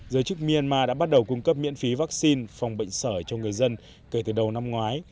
giới chức myanmar đã bắt đầu cung cấp miễn phí vaccine phòng bệnh sởi cho người dân kể từ đầu năm ngoái